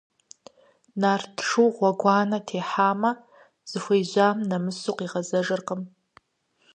Нарт шур гъуэгуанэ техьамэ, зыхуежьам нэмысу къигъазэркъым.